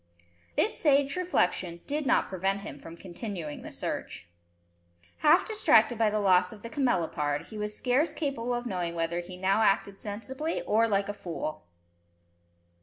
This sage reflection did not prevent him from continuing the search. Half distracted by the loss of the camelopard, he was scarce capable of knowing whether he now acted sensibly, or like a fool!